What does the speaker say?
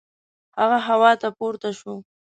هغه هوا ته پورته شو.